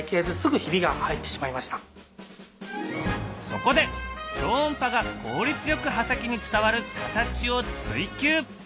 そこで超音波が効率よく刃先に伝わる形を追求。